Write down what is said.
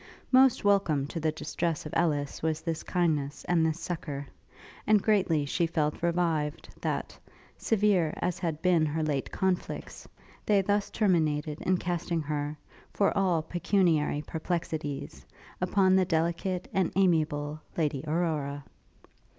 Most welcome to the distress of Ellis was this kindness and this succour; and greatly she felt revived, that, severe as had been her late conflicts, they thus terminated in casting her, for all pecuniary perplexities, upon the delicate and amiable Lady Aurora.